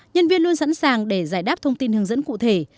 nhân viên luôn sẵn sàng để giải đáp thông tin hướng dẫn cụ thể